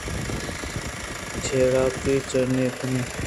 چاڑکّہی ءُ چِژناکی کُجیں